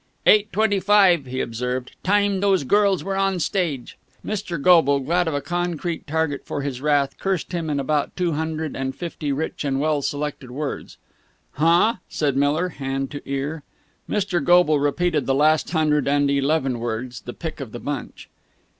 "Eight twenty five," he observed. "Time those girls were on stage." Mr. Goble, glad of a concrete target for his wrath, cursed him in about two hundred and fifty rich and well selected words. "Huh?" said Miller, hand to ear. Mr. Goble repeated the last hundred and eleven words, the pick of the bunch.